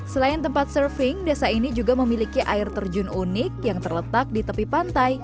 selain tempat surfing desa ini juga memiliki air terjun unik yang terletak di tepi pantai